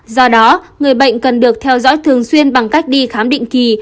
do đó người bệnh cần được theo dõi thường xuyên bằng cách đi khám định kỳ